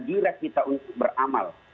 jirah kita untuk beramal